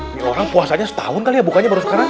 ini orang puasanya setahun kali ya bukannya baru sekarang